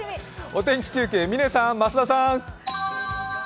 お天気中継、嶺さん、増田さん！